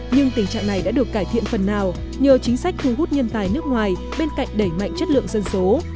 nhưng tình trạng này đã được cải thiện phần nào nhờ chính sách thu hút nhân tài nước ngoài bên cạnh đẩy mạnh chất lượng dân số